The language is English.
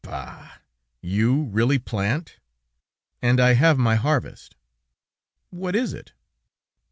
"Bah! You really plant?" "And I have my harvest." "What is it?"